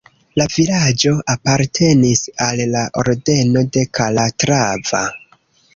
La vilaĝo apartenis al la Ordeno de Kalatrava.